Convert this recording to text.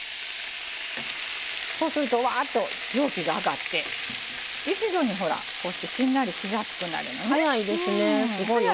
そうすると、うわーっと蒸気が上がって一度に、こうしてしんなりしやすくなるんですね。